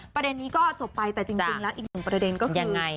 ประเด็นนี้ก็จบไปแต่จริงแล้วอีกหนึ่งประเด็นก็คือ